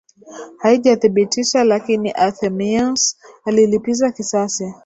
haijathibitisha lakini Anthemius alilipiza kisasi